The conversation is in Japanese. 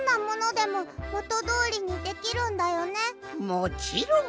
もちろん！